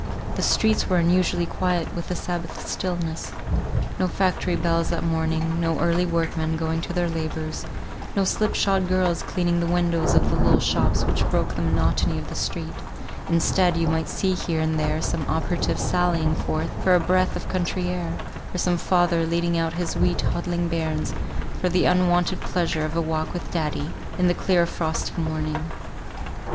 The streets were unusually quiet with a Sabbath stillness. No factory bells that morning; no early workmen going to their labours; no slip shod girls cleaning the windows of the little shops which broke the monotony of the street; instead, you might see here and there some operative sallying forth for a breath of country air, or some father leading out his wee toddling bairns for the unwonted pleasure of a walk with "Daddy," in the clear frosty morning.